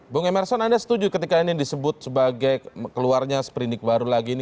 bung emerson anda setuju ketika ini disebut sebagai keluarnya seperindik baru lagi ini